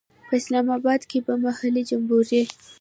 په اسلام آباد کې به محلي جمبوري.